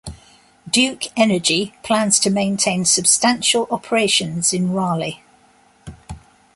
Duke Energy plans to maintain substantial operations in Raleigh.